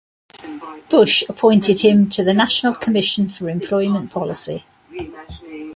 Bush appointed him to the National Commission for Employment Policy.